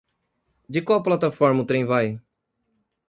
De qual plataforma o trem vai?